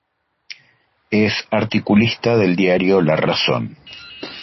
Es articulista del diario "La Razón".